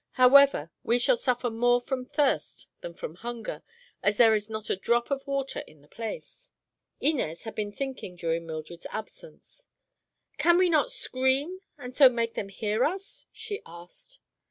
However, we shall suffer more from thirst than from hunger, as there is not a drop of water in the place." Inez had been thinking during Mildred's absence. "Can we not scream, and so make them hear us?" she asked.